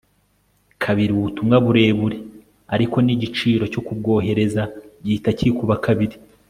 kabiri ubutumwa burebure, ariko n'igiciro cyo kubwohereza gihita kikuba kabiri